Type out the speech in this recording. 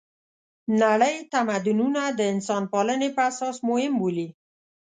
نړۍ تمدونونه د انسانپالنې په اساس مهم بولي.